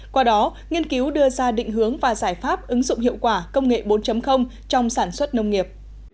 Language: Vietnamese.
qua đó nghiên cứu đưa ra định hướng và giải pháp ứng dụng hiệu quả công nghệ bốn trong sản xuất nông nghiệp